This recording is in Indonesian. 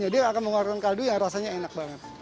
dia akan mengeluarkan kaldu yang rasanya enak banget